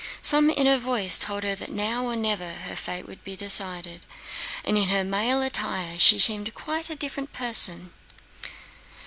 Some inner voice told her that now or never her fate would be decided, and in her male attire she seemed quite a different person.